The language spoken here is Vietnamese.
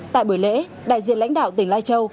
tại buổi lễ đại diện lãnh đạo tỉnh lai châu